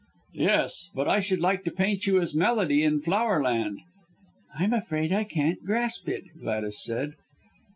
'" "Yes. But I should like to paint you as 'Melody in Flower Land.'" "I'm afraid I can't grasp it," Gladys said.